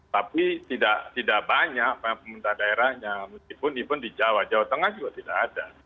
tapi tidak banyak pemerintah daerahnya meskipun even di jawa jawa tengah juga tidak ada